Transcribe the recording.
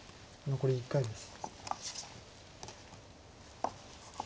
残り１回です。